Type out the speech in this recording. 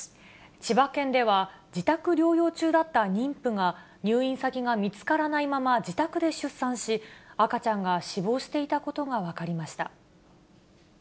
千葉県では、自宅療養中だった妊婦が、入院先が見つからないまま自宅で出産し、赤ちゃんが死亡していたことが分かりました。